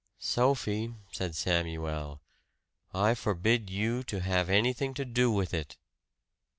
"Sophie," said Samuel, "I forbid you to have anything to do with it!"